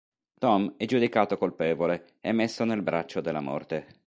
Tom è giudicato colpevole e messo nel braccio della morte.